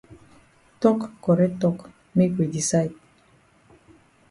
Tok correct tok make we decide.